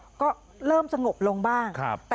พูดสิทธิ์ข่าวบอกว่าพระต่อว่าชาวบ้านที่มายืนล้อมอยู่แบบนี้ค่ะ